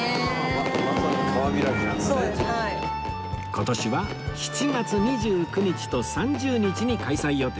今年は７月２９日と３０日に開催予定